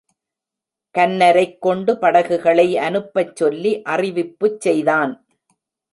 கன்னரைக் கொண்டு படகுகளை அனுப்பச் சொல்லி அறிவிப்புச் செய்தான்.